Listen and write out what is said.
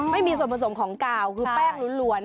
ไม่มีส่วนผสมของกาวคือแป้งล้วน